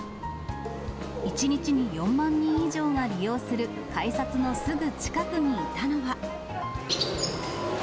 １日に４万人以上が利用する改札のすぐ近くにいたのは。